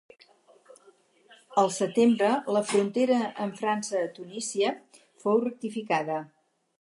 El setembre la frontera amb França a Tunísia fou rectificada.